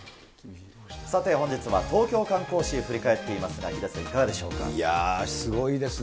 さて、本日は東京観光史、振り返っていますが、ヒデさん、いかがでしょいや、すごいですね。